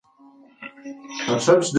مطالعه د ماشوم د اخلاقو وده کوي.